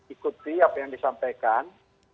ikuti apa yang disampaikan